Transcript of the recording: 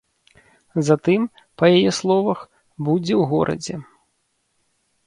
Затым, па яе словах, будзе ў горадзе.